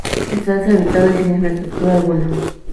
Está deshabitado y sin infraestructura alguna.